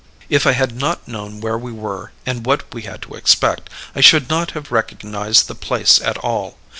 "If I had not known where we were, and what we had to expect, I should not have recognized the place at all.